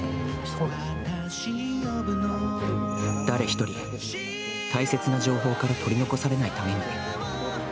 「誰ひとり大切な情報から取り残されないために」